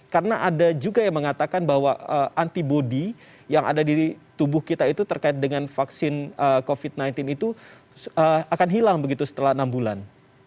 karena ada juga yang mengatakan bahwa antibody yang ada di tubuh kita itu terkait dengan vaksin covid sembilan belas itu akan hilang begitu setelah enam bulan